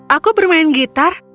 aku bermain gitar